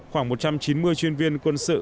khoảng một trăm chín mươi chuyên viên quân sự